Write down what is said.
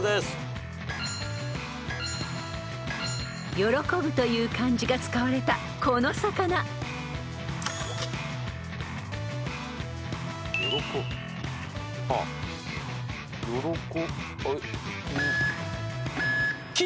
［「喜ぶ」という漢字が使われたこの魚］喜ぶ？よろこ。